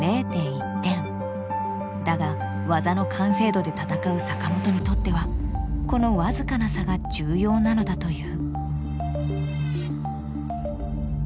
だが技の完成度で戦う坂本にとってはこの僅かな差が重要なのだという。